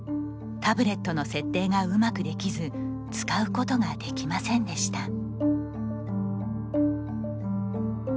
タブレットの設定がうまくできず使うことができませんでした。